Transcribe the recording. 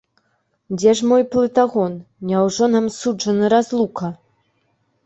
Дзе ж мой плытагон, няўжо нам суджана разлука?